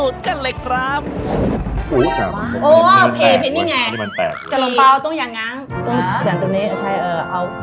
ตรงตัวนี้เอา